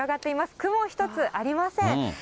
雲一つありません。